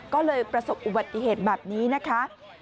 ก็เลยประสบอุบัติเหตุแบบนี้นะคะ